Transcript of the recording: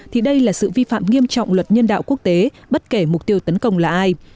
thì đây là sự vi phạm nghiêm trọng luật nhân đạo quốc tế bất kể mục tiêu tấn công là ai